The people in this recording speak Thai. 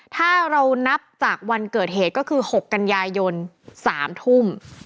ถ้าเรานับจากวันเกิดเหตุก็คือ๖กันยายน๓ทุ่ม